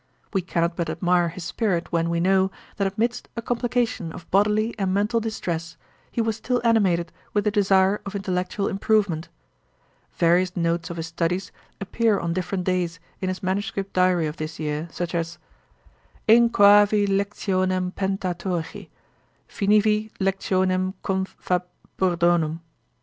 We cannot but admire his spirit when we know, that amidst a complication of bodily and mental distress, he was still animated with the desire of intellectual improvement. Various notes of his studies appear on different days, in his manuscript diary of this year, such as, 'Inchoavi lectionem Pentateuchi Finivi lectionem Conf. Fab. Burdonum.